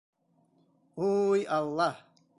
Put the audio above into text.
Уй Алла!